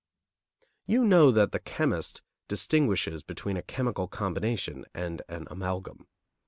You know that the chemist distinguishes between a chemical combination and an amalgam.